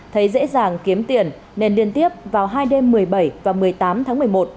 thấy dễ dàng kiếm tiền nên liên tiếp vào hai đêm một mươi bảy và một mươi tám tháng một mươi một